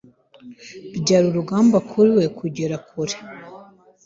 Byari urugamba kuri we kugera kure.